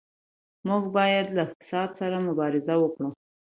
موږ بايد له فساد سره مبارزه وکړو.